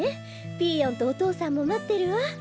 ピーヨンとお父さんもまってるわ。